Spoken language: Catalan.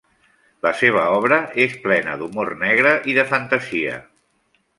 La seva obra és plena d'humor negre i de fantasia.